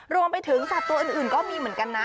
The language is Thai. รวมไปถึงสัตว์ตัวอื่นก็มีเหมือนกันนะ